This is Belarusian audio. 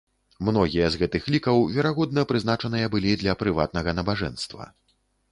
Многія з гэтых лікаў, верагодна, прызначаныя былі для прыватнага набажэнства.